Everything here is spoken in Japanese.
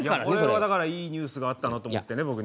これはだからいいニュースがあったなと思ってね